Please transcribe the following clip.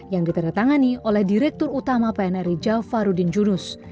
yang ditandatangani oleh direktur utama pnri jafarudin junus